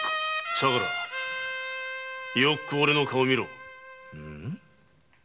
相良よくおれの顔を見ろ。